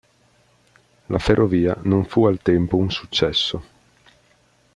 La ferrovia non fu al tempo un successo.